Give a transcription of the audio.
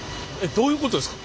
どういうことですか？